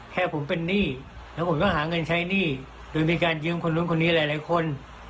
แค่ผมเป็นหนี้แล้วผมก็หาเงินใช้หนี้โดยมีการยืมคนนู้นคนนี้หลายคน